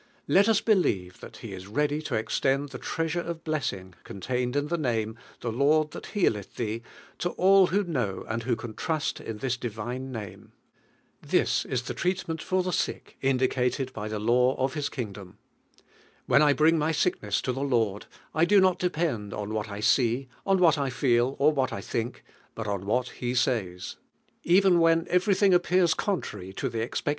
Let as believe thai I h is ready to extend the treasure of bless ing, contained in the name, The Lord that healeth thee, to all who know and who ran trust in litis divine name. This 1 the treatment fur Hie sick indicated by 1'IVIiM l 1IE.U.INU. I lie law uf His kingdom. When 1 bring my sickness to the Lord, I do not depend on what I see, on what 1 feel or what 1 think, but on what He says. Even when everything appears contrary to the ex |'n i.